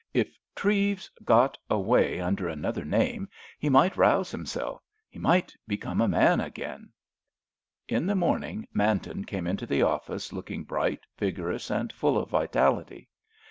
If Treves got away under another name he might rouse himself. He might become a man again." ... In the morning Manton came into the office looking bright, vigorous and full of vitality.